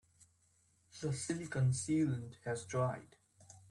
The silicon sealant has dried.